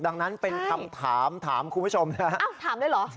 ดังนั้นเป็นคำถามถามคุณผู้ชมนะอ้าวถามด้วยเหรอ